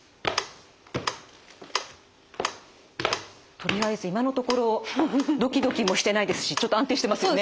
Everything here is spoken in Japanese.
とりあえず今のところドキドキもしてないですしちょっと安定してますよね。